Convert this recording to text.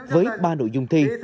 với ba nội dung thi